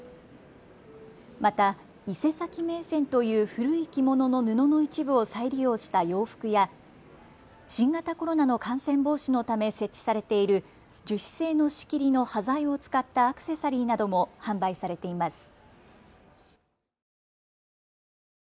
また伊勢崎銘仙という古い着物の布の一部を再利用した洋服や新型コロナの感染防止のため設置されている樹脂製の仕切りの端材を使ったアクセサリーなども販売されています。